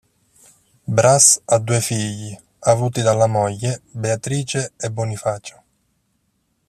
Brass ha due figli, avuti dalla moglie, Beatrice e Bonifacio.